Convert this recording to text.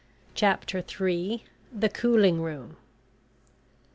CHAPTER THREE. THE COOLING ROOM.